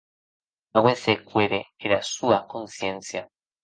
Aguest cèu qu’ère era sua consciéncia.